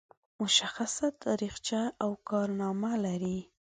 مشخصه تاریخچه او کارنامه لري.